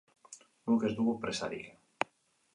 Guk ez dugu presarik.